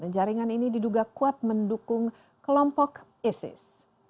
jaringan ini diduga kuat mendukung kelompok isis